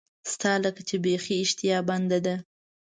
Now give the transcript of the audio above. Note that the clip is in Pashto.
ستا لکه چې بیخي اشتها بنده ده.